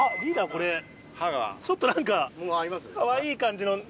これちょっと何かかわいい感じの。